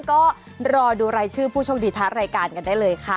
ก็รอดูรายชื่อผู้โชคดีท้ายรายการกันได้เลยค่ะ